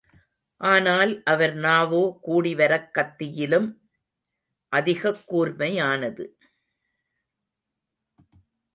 ஆனால் அவர் நாவோ கூடிவரக் கத்தியிலும் அதிகக் கூர்மையானது.